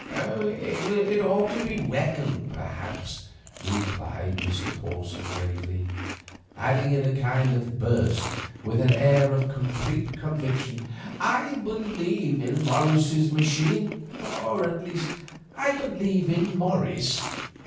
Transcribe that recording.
"It ought to be reckoned, perhaps," replied Mr. Porson gravely; adding in a kind of burst, with an air of complete conviction: "I believe in Morris's machine, or, at least, I believe in Morris.